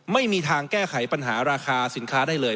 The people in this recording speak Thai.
ไม่มีทางแก้ไขปัญหาราคาสินค้าได้เลย